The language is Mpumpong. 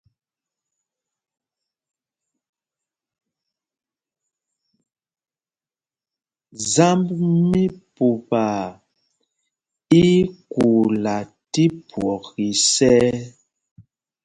Zámb mí Pupaa í í kuula tí phwɔk isɛ̄y.